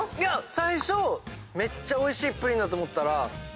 最初めっちゃおいしいプリンだと思ったら。